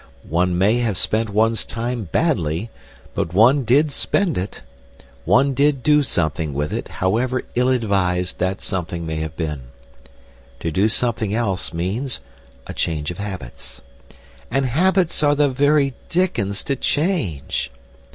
One may have spent one's time badly, but one did spend it; one did do something with it, however ill advised that something may have been. To do something else means a change of habits. And habits are the very dickens to change!